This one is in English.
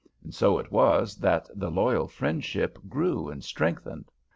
And so it was that the loyal friendship grew and strengthened.